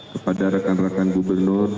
kepada rekan rekan gubernur